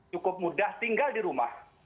cukup mudah tinggal di rumah